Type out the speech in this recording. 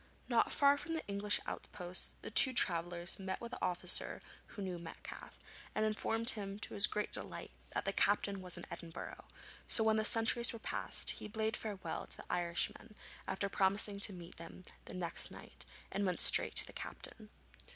Not far from the English outposts the two travellers met with an officer who knew Metcalfe, and informed him to his great delight that the captain was in Edinburgh, so when the sentries were passed he bade farewell to the Irishman after promising to meet him the next night, and went straight to the captain.